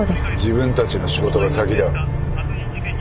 自分たちの仕事が先だ。